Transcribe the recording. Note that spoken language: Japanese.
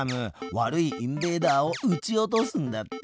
悪いインベーダーをうち落とすんだって。